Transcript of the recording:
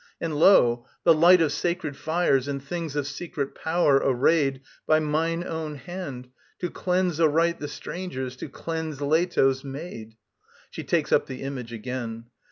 And, lo, the light of sacred fires, and things of secret power, arrayed By mine own hand to cleanse aright the strangers, to cleanse Leto's Maid. [she takes up the image again.